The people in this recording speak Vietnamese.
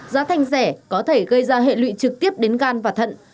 giá thành rẻ có thể gây ra hệ lụy trực tiếp đến gan và thận